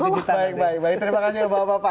baik baik terima kasih bapak bapak